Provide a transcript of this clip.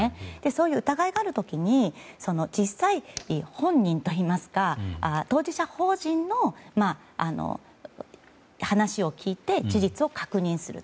そういう疑いがある時に実際、本人といいますか当事者法人の話を聞いて事実を確認する。